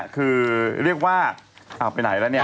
คือเรียกว่าเอาไปไหนแล้วเนี่ย